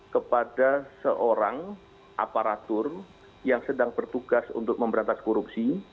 kepada seorang aparatur yang sedang bertugas untuk memberantas korupsi